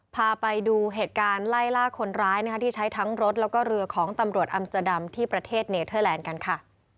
พาไปดูเหตุการณ์ไล่ล่าคนร้ายนะคะที่ใช้ทั้งรถแล้วก็เรือของตำรวจอัมเตอร์ดัมที่ประเทศเนเทอร์แลนด์กันค่ะ